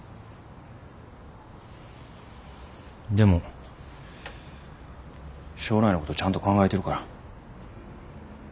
でも将来のことちゃんと考えてるから。